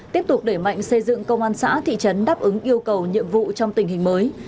tiếp tục đẩy mạnh xây dựng công an xã thị trấn đáp ứng yêu cầu nhiệm vụ trong tình hình mới